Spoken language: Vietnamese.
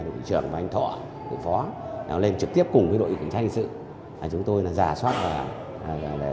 phó và anh thọ tự phó nào lên trực tiếp cùng với đội kinh doanh hình sự chúng tôi là giả soát và